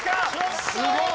すごい！